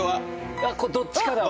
これどっちかだわ。